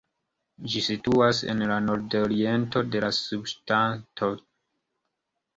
Ĝi situas en la nordoriento de la subŝtato.